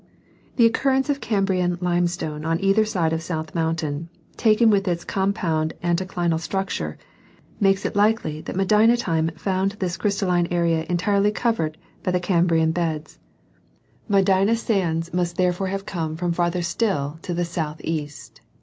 The occurrence of Cambrian limestone on either side of South Mountain, taken with its com pound anticlinal structure, makes it likely that Medina time found this crystalline area entirely covered by the Cambrian beds ; Medina sands must therefore have come from farther still to the southeast.